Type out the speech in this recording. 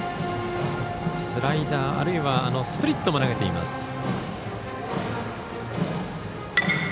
スライダー、あるいはスプリットも投げています。